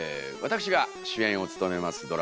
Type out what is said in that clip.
私が主演を務めます